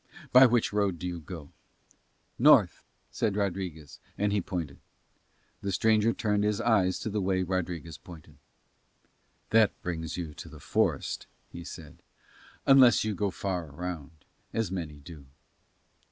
By which road go you?" "North," said Rodriguez, and he pointed. The stranger turned his eyes to the way Rodriguez pointed. "That brings you to the forest," he said, "unless you go far around, as many do."